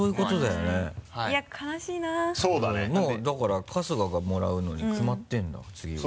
もうだから春日がもらうのに決まってるんだもん次は。